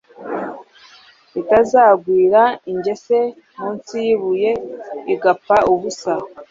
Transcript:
itazagwira ingese mu nsi y'ibuye, igapfa ubusa